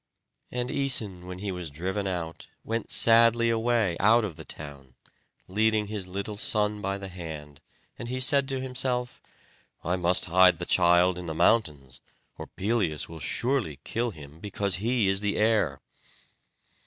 And Æson, when he was driven out, went sadly away out of the town, leading his little son by the hand; and he said to himself, "I must hide the child in the mountains; or Pelias will surely kill him, because he is the heir."